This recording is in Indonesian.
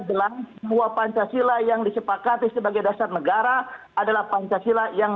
jelas semua pancasila yang disepakati sebagai dasar negara adalah pancasila yang